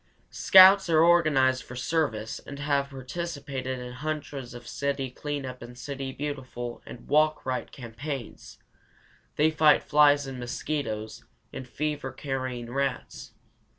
Scouts are organized for service and have participated in hundreds of city clean up and city beautiful, and "walk rite" campaigns. They fight flies and mosquitoes and fever carrying rats.